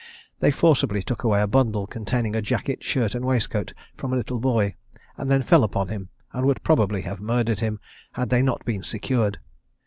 They forcibly took away a bundle, containing a jacket, shirt, and waistcoat, from a little boy, and then fell upon him, and would probably have murdered him, had they not been secured.